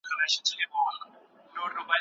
اوس موږ په اقتصادي پرمختيا خبري کوو.